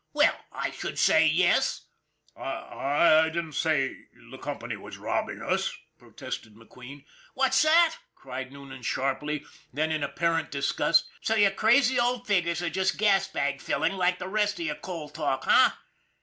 Well, I should say yes !"" I I didn't say the company was robbing us," protested McQueen. " What's that !" cried Noonan sharply ; then in apparent disgust :" So your crazy old figures are just gas bag filling like the rest of your coal talk, eh?